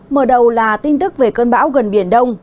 mở đầu là tin tức về cơn bão gần biển đông